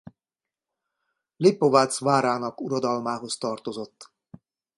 Lipovac várának uradalmához tartozott.